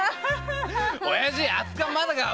おやじ熱燗まだか？